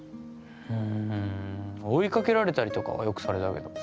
うん追いかけられたりとかはよくされたけど。